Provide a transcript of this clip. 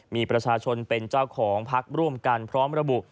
มีประชาชนเป็นเจ้าของพักร่วมกันพร้อมระบุ